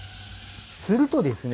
するとですね